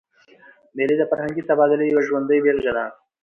مېلې د فرهنګي تبادلې یوه ژوندۍ بېلګه ده.